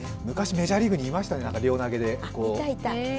昔、メジャーリーグにいましたね、両投げで。